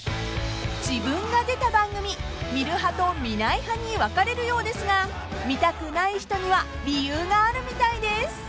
［自分が出た番組見る派と見ない派に分かれるようですが見たくない人には理由があるみたいです］